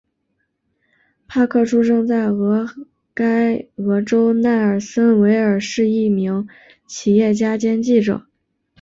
帕克出生在俄亥俄州奈尔森维尔是一名企业家兼记者。